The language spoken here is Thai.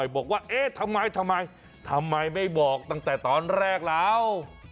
บอกว่าเอ๊ะทำไมทำไมไม่บอกตั้งแต่ตอนแรกแล้ว